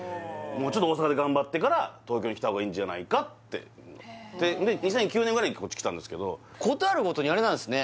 もうちょっと大阪で頑張ってから東京へ来た方がいいんじゃないかって２００９年ぐらいにこっち来たんですけどことあるごとにあれなんですね